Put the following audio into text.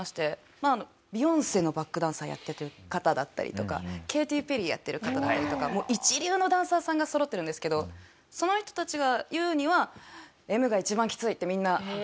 まあビヨンセのバックダンサーやってる方だったりとかケイティ・ペリーやってる方だったりとかもう一流のダンサーさんがそろってるんですけどその人たちが言うには「Ｍが一番きつい」ってみんな言っていました。